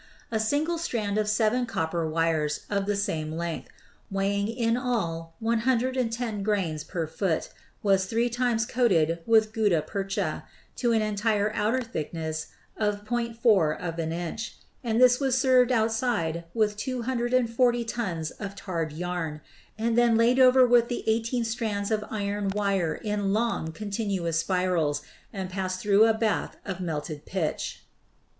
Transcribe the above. A single strand of 7 copper wires of the same length, weighing in all no grains per foot, was three times coated with gutta percha, to an entire outer thickness of .4 of an inch; and this was 'served' outside with 240 tons of tarred yarn, and then laid over with the 18 strands of iron wire in long, contiguous spirals and passed through a bath of melted pitch."